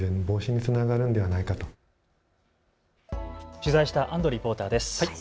取材した安藤リポーターです。